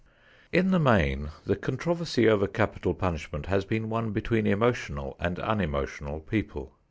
In the main, the controversy over capital punishment has been one between emotional and unemotional people.